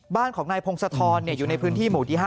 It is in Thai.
บ้านของนายพงศธรอยู่ในพื้นที่หมู่ที่๕